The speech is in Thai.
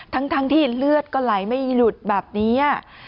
ทั้งที่เลือดก็ไหลไม่หลุดแบบนี้